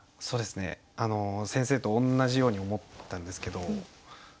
そうですね先生とおんなじように思ったんですけど。